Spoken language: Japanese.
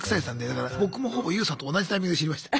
だから僕もほぼＹＯＵさんと同じタイミングで知りました。